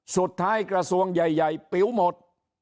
สุดท้ายกระทรวงใหญ่ปิ๋วหมด